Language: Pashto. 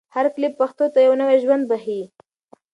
هر کلیپ پښتو ته یو نوی ژوند بښي.